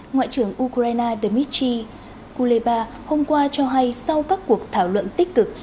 ngoại trưởng ukraine dmitry kuleba hôm qua cho hay sau các cuộc thảo luận tích cực